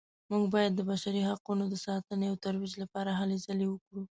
موږ باید د بشري حقونو د ساتنې او ترویج لپاره هلې ځلې وکړو